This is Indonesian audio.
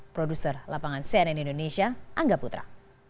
produser lapangan cnn indonesia angga putra